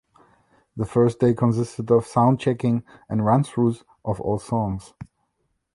The first day consisted of sound checking and run-throughs of all songs.